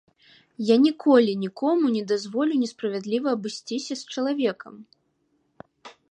Я ніколі нікому не дазволю несправядліва абысціся з чалавекам.